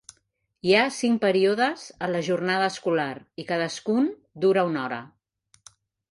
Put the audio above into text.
Hi ha cinc períodes a la jornada escolar i cadascun dura una hora.